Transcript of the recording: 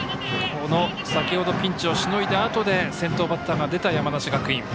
先ほどピンチをしのいだあとで先頭バッターが出た山梨学院。